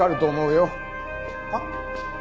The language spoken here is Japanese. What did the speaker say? はっ？